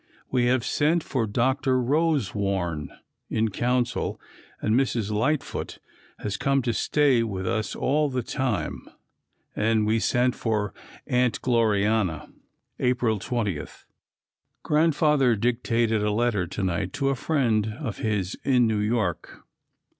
We have sent for Dr. Rosewarne in counsel and Mrs. Lightfoote has come to stay with us all the time and we have sent for Aunt Glorianna. April 20. Grandfather dictated a letter to night to a friend of his in New York.